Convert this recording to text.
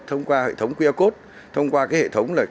thông qua hệ thống qr code thông qua hệ thống